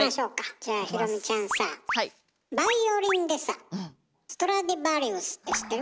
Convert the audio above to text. じゃあ裕美ちゃんさぁバイオリンでさストラディヴァリウスって知ってる？